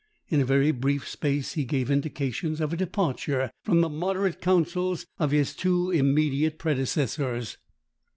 In a very brief space he gave indications of a departure from the moderate councils of his two immediate predecessors.